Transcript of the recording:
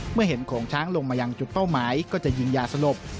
เมื่อเห็นโขงช้างลงมายังจุดเป้าหมายก็จะยิงยาสลบ